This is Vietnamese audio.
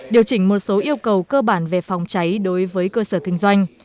điều chỉnh một số yêu cầu cơ bản về phòng cháy đối với cơ sở kinh doanh